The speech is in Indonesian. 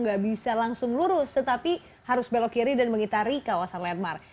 nggak bisa langsung lurus tetapi harus belok kiri dan mengitari kawasan landmark